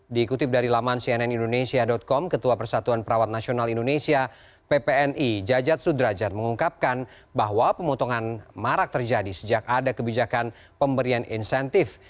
dikutip dari laman cnnindonesia com ketua persatuan perawat nasional indonesia ppni jajat sudrajat mengungkapkan bahwa pemotongan marak terjadi sejak ada kebijakan pemberian insentif